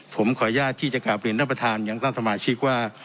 ผมขออนุญาตที่จะกลับเรียนท่านประธานอย่างท่านสมาชิกว่า